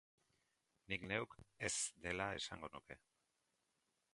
Nik neuk "ez" dela esango nuke.